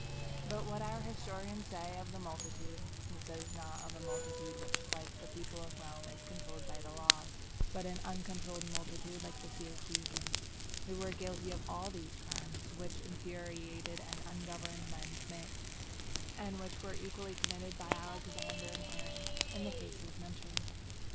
But what our historian says of the multitude, he says not of a multitude which like the people of Rome is controlled by the laws, but of an uncontrolled multitude like the Syracusans, who were guilty of all these crimes which infuriated and ungoverned men commit, and which were equally committed by Alexander and Herod in the cases mentioned.